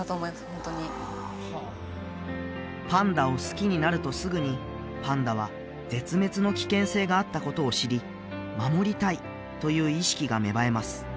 ホントにパンダを好きになるとすぐにパンダは絶滅の危険性があったことを知り守りたいという意識が芽生えます